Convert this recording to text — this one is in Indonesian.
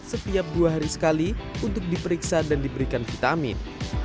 setiap dua hari sekali untuk diperiksa dan diberikan vitamin